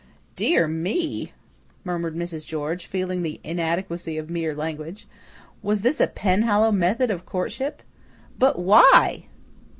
"Dear me!" murmured Mrs. George, feeling the inadequacy of mere language. Was this a Penhallow method of courtship? "But WHY?"